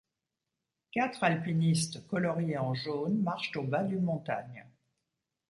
Quatre alpinistes coloriés en jaune marchent au bas d'une montagne.